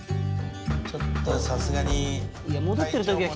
ちょっとさすがに。